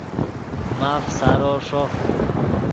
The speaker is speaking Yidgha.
ماف سارو ݰوف